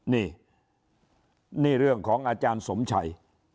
นี่นี่เรื่องของอาจารย์สมชัย